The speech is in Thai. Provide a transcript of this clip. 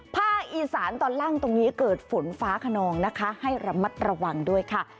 ภาคอีสานตอนล่างตรงนี้เกิดฝนฟ้าขนองนะคะให้ระมัดระวังด้วยค่ะ